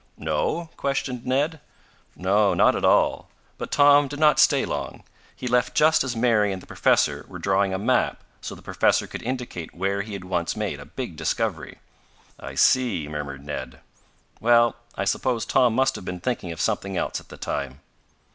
"No?" questioned Ned. "No, not at all. But Tom did not stay long. He left just as Mary and the professor were drawing a map so the professor could indicate where he had once made a big discovery." "I see," murmured Ned. "Well, I suppose Tom must have been thinking of something else at the time."